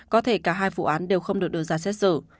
có thể cả hai vụ án đều không được đưa ra xét xử